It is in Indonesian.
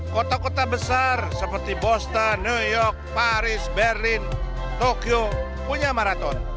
kota kota besar seperti boston new york paris berlin tokyo punya marathon